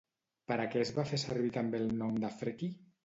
Per a què es va fer servir també el nom de Freki?